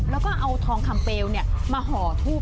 แล้วก็เอาทองคำเปลวมาห่อทูบ